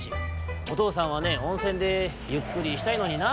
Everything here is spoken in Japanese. おとうさんはねおんせんでゆっくりしたいのにな。